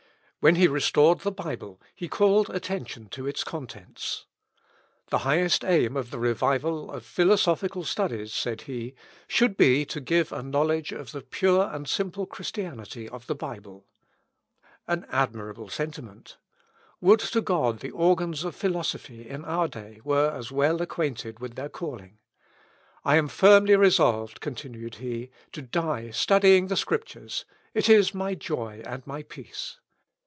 When he restored the Bible, he called attention to its contents. "The highest aim of the revival of philosophical studies," said he, "should be to give a knowledge of the pure and simple Christianity of the Bible." An admirable sentiment! Would to God the organs of philosophy, in our day, were as well acquainted with their calling! "I am firmly resolved," continued he, "to die studying the Scriptures; it is my joy and my peace."